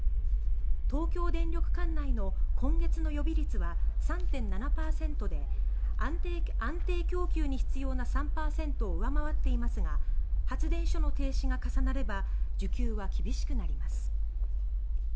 東京電力管内の今月の予備率は３．７％で安定供給に必要な３％を上回っていますが発電所の停止が重なれば需給は厳しくなります。